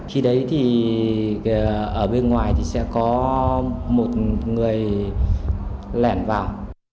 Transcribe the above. khi đấy thì ở bên ngoài thì sẽ có một người lẻn vào